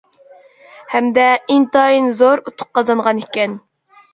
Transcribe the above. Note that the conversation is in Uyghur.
ھەمدە ئىنتايىن زور ئۇتۇق قازانغان ئىكەن.